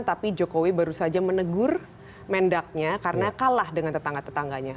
tapi jokowi baru saja menegur mendaknya karena kalah dengan tetangga tetangganya